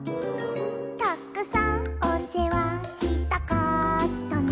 「たくさんお世話したかったの」